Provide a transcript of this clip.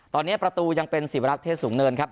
ตอนนี้ประตูยังเป็นศิวรักษ์เทศสูงเนินครับ